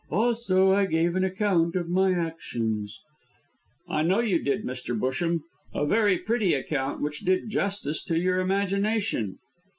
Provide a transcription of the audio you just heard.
Also, I gave an account of my actions." "I know you did, Mr. Busham. A very pretty account which did justice to your imagination."